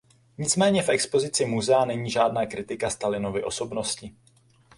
Nicméně v expozici muzea není žádná kritika Stalinovy osobnosti.